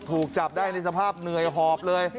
ถูกจับได้ในสภาพเหนื่อยหอบเลย